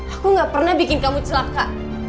aku gak pernah bikin kamu celaka